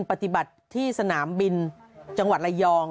ปฏิบัติที่สนามบินจังหวัดระยอง